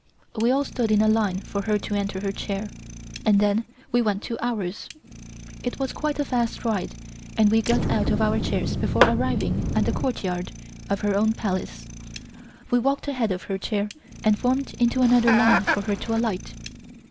We all stood in a line for her to enter her chair, and then we went to ours. It was quite a fast ride and we got out of our chairs before arriving at the courtyard of her own Palace. We walked ahead of her chair and formed into another line for her to alight.